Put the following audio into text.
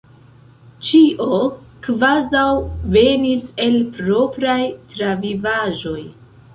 Ĉio kvazaŭ venis el propraj travivaĵoj.